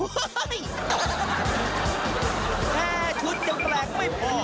แค่ชุดยังแปลกไม่พอ